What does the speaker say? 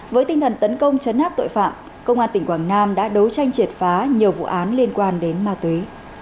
với tinh thần tấn công chấn áp tội phạm công an tỉnh quảng nam đã đấu tranh triệt phá nhiều vụ án liên quan đến ma túy